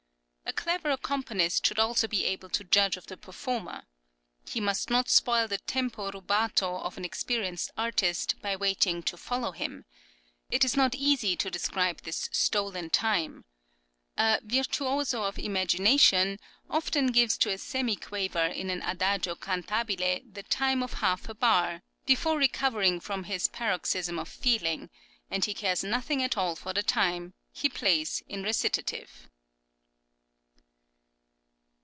A clever accompanist should also be able to judge of the performer. He must not spoil the tempo rubato of an experienced artist by waiting to follow him. It is not easy to describe this 'stolen time.' A 'virtuoso of imagination' often gives to a semiquaver in an adagio cantabile the time of half a bar, before recovering {L. MOZART'S VIOLIN METHOD.} (15) from his paroxysm of feeling; and he cares nothing at all for the time: he plays in recitative."